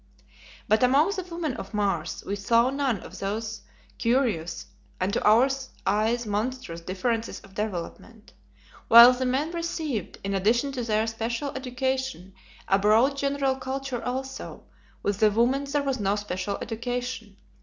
But among the women of Mars, we saw none of these curious, and to our eyes monstrous, differences of development. While the men received, in addition to their special education, a broad general culture also, with the women there was no special education.